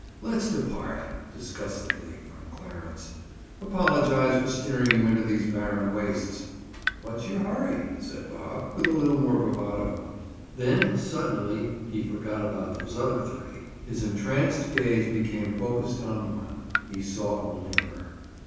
"Let's depart!" disgustedly from Clarence. "Apologize for steering you into these barren wastes!" "What's your hurry?" said Bob, with a little more bravado. Then suddenly he forgot about those other three. His entranced gaze became focused on one. He saw only her.